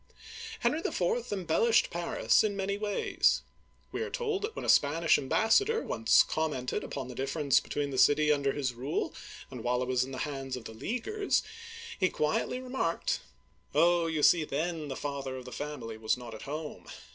Henry IV. embellished Paris in many ways. We are told that when a Spanish ambassador once commented upon the difference between the city under his rule, and while it was in the hands of the Leaguers, he quietly re marked :" Oh, you see, then the father of the family was not at home.